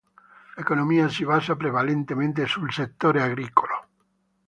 L'economia si basa prevalentemente sul settore agricolo.